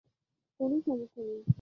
কোনও সমস্যা নেই!